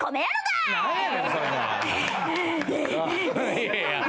いやいや。